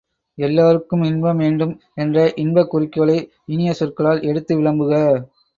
எல்லாருக்கும் இன்பம் வேண்டும் என்ற இன்பக் குறிக்கோளை இனிய சொற்களால் எடுத்து விளம்புக!